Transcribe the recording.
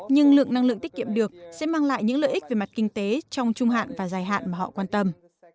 nhưng lượng năng lượng tiết kiệm được sẽ mang lại những lợi ích về mặt kinh tế trong trung hạn và dài hạn mà họ quan tâm